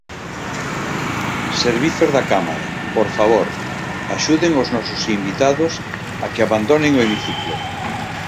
Servizos da Cámara, por favor, axuden os nosos invitados a que abandonen o hemiciclo.